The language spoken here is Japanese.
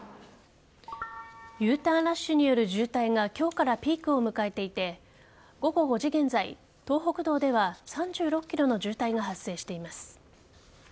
Ｕターンラッシュによる渋滞が今日からピークを迎えていて午後５時現在東北道では３６ｋｍの渋滞が発生しています。